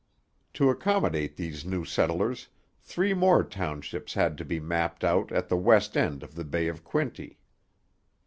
To accommodate these new settlers three more townships had to be mapped out at the west end of the Bay of Quinte.